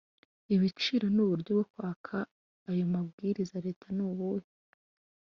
Ibiciro n uburyo bwo kwaka ayo mabwiriza leta nubuhe